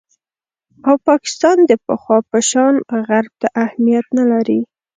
او پاکستان د پخوا په شان غرب ته اهمیت نه لري